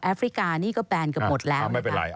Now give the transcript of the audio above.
แอฟริกานี่ก็แบนกันหมดแล้ว